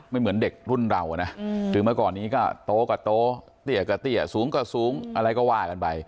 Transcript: เหมือนเด็กรุ่นเรานะหรือเมื่อก่อนนี้ก็โตก็โตเตี้ยกับเตี้ยสูงก็สูงอะไรก็ว่ากันไป